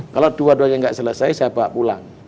kalau dua duanya tidak selesai saya bawa pulang